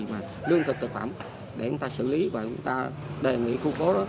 mà lương thực thực phẩm để chúng ta xử lý và chúng ta đề nghị khu phố đó